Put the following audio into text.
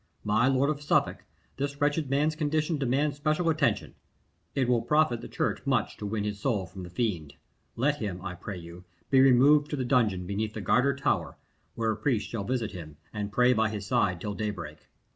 My lord of Suffolk, this wretched man's condition demands special attention. It will profit the Church much to win his soul from the fiend. Let him, I pray you, be removed to the dungeon beneath the Garter Tower, where a priest shall visit him, and pray by his side till daybreak."